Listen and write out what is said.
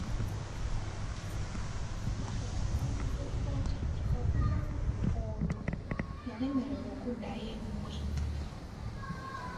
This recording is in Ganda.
Wabula abuulidde kkooti nti okuva ku olwo yalemererwa okuddayo ewuwe.